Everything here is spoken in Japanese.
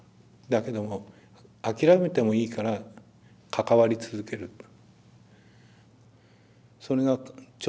だけども諦めてもいいから関わり続けると。